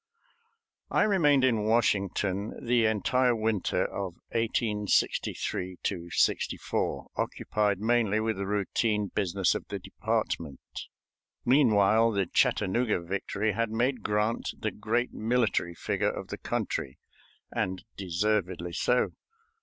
I remained in Washington the entire winter of 1863 '64, occupied mainly with the routine business of the department. Meantime the Chattanooga victory had made Grant the great military figure of the country, and deservedly so.